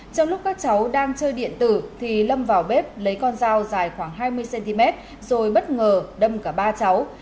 trong lúc các cháu đang chơi điện tử thì lâm vào bếp lấy con dao dài khoảng hai mươi cm rồi bất ngờ đâm cả ba cháu